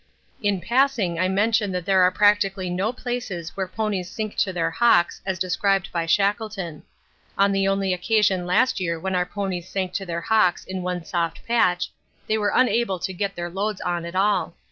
In passing I mention that there are practically no places where ponies sink to their hocks as described by Shackleton. On the only occasion last year when our ponies sank to their hocks in one soft patch, they were unable to get their loads on at all.